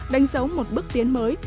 đánh dấu một bước tiến mới